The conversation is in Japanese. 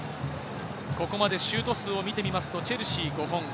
ここまでシュート数を見てみますと、チェルシー５本。